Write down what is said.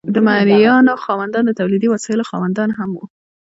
د مرئیانو خاوندان د تولیدي وسایلو خاوندان هم وو.